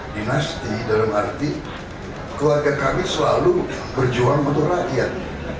dinasti dalam arti keluarga kami selalu berjuang untuk rakyat